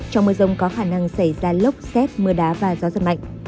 trong mưa rông có khả năng xảy ra lốc xét mưa đá và gió giật mạnh